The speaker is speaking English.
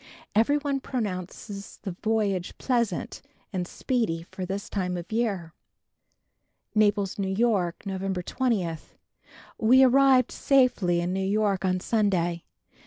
Every one pronounces the voyage pleasant and speedy for this time of year. Naples, N. Y., November 20. We arrived safely in New York on Sunday.